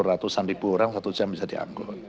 ratusan ribu orang satu jam bisa diangkut